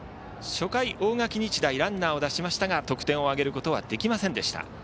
初回、大垣日大はランナーを出しましたが得点を挙げることはできませんでした。